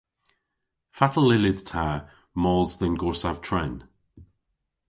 Fatel yllydh ta mos dhe'n gorsav tren?